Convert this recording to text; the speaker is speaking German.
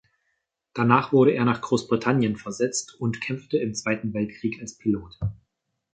Danach wurde er nach Großbritannien versetzt und kämpfte im Zweiten Weltkrieg als Pilot.